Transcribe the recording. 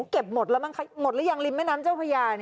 เก็บหมดแล้วมั้งหมดหรือยังริมแม่น้ำเจ้าพญา